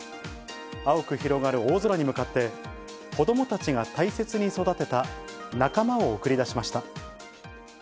青く広がる大空に向かって、子どもたちが大切に育てた仲間を送り出しました。